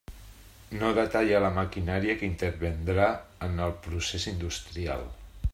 No detalla la maquinària que intervindrà en el procés industrial.